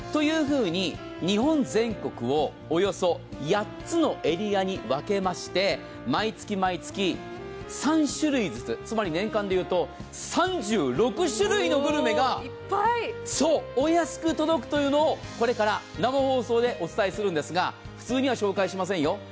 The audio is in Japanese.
日本全国をおよそ８つのエリアに分けまして、毎月毎月、３種類ずつ年間でいうと３６種類のグルメがお安く届くというのをこれから生放送でお伝えするんですが、普通には紹介しませんよ。